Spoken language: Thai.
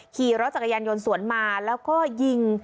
ขี่รถจักรยานยนต์สวนมาแล้วก็ยิง